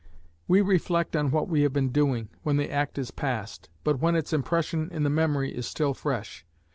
We reflect on what we have been doing, when the act is past, but when its impression in the memory is still fresh.